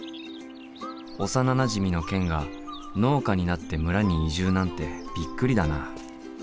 幼なじみのケンが農家になって村に移住なんてびっくりだな。